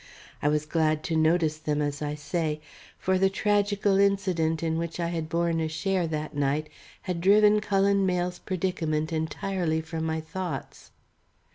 I was glad to notice them, as I say, for the tragical incident in which I had borne a share that night had driven Cullen Mayle's predicament entirely from my thoughts.